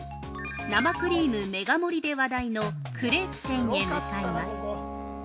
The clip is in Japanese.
生クリームメガ盛りで話題のクレープ店へ向かいます。